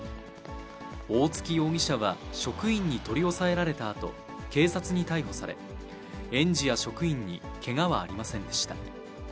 大槻容疑者は職員に取り押さえられたあと、警察に逮捕され、園児や職員にけがはありませんでした。